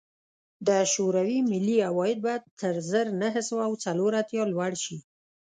د شوروي ملي عواید به تر زر نه سوه څلور اتیا لوړ شي